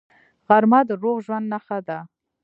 غرمه د روغ ژوند نښه ده